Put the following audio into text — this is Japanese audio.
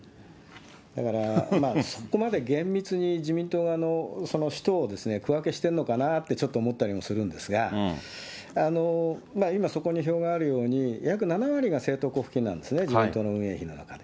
だから、そこまで厳密に自民党は使途を区分けしてるのかなってちょっと思ったりもするんですが、今、そこに表があるように、約７割が政党交付金なんですね、自民党の運営費の中で。